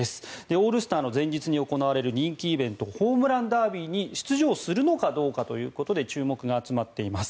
オールスターの前日に行われる人気イベントホームランダービーに出場するのかということで注目が集まっています。